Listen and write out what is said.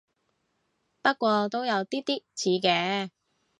不過都有啲啲似嘅